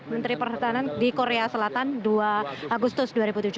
menteri pertahanan di korea selatan dua agustus dua ribu tujuh belas